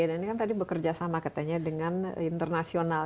dan ini kan tadi bekerja sama katanya dengan internasional